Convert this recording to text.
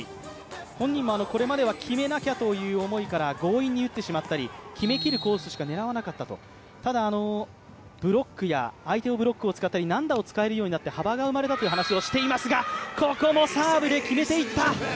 本人もこれまでは決めなきゃという気持ちで打ってしまったり決めきるコースしか狙わなかったと、ただ、ブロックや相手のブロックを使ったり難だ打を使うようになったらここもサーブで決めていった。